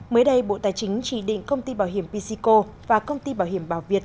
mới đây bộ tài chính chỉ định công ty bảo hiểm pysico và công ty bảo hiểm bảo việt